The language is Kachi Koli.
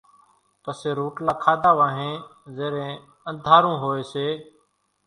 پسي روٽلا کاڌا وانھين زيرين انڌارو ھوئي سي